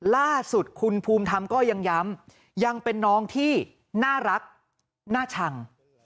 ล่าสุดคุณภูมิธรรมก็ยังย้ำยังเป็นน้องที่น่ารักน่าชัง